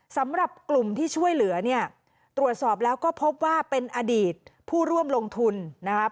สำหรับกลุ่มที่ช่วยเหลือเนี่ยตรวจสอบแล้วก็พบว่าเป็นอดีตผู้ร่วมลงทุนนะครับ